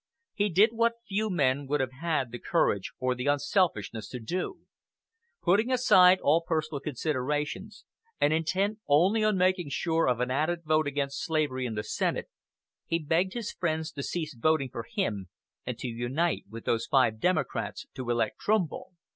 He did what few men would have had the courage or the unselfishness to do. Putting aside all personal considerations, and intent only on making sure of an added vote against slavery in the Senate, he begged his friends to cease voting for him and to unite with those five Democrats to elect Trumbull.